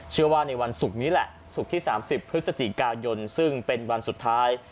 เชื่อว่าในวันศุกร์นี้แหละศุกร์ที่๓๐พฤศจิกายนซึ่งเป็นวันสุดท้าย